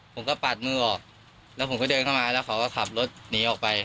ผมก็ปัดมือออกแล้วผมก็เดินเข้ามาแล้วเขาก็ขับรถหนีออกไป